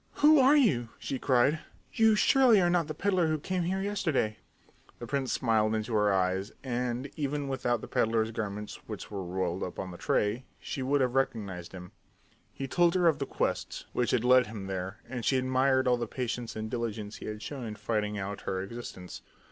"Who are you?" she cried. "You surely are not the peddler who came here yesterday!" The prince smiled into her eyes, and, even without the peddler's garments which were rolled up on the tray, she would have recognized him. He told her of the quest which had led him there, and she admired all the patience and diligence he had shown in finding out her existence.